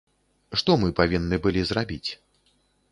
Што мы павінны былі зрабіць?